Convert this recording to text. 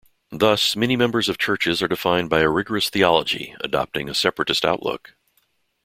Thus, many member churches are defined by a rigorous theology, adopting a separatist outlook.